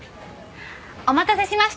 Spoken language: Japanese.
お待たせしました。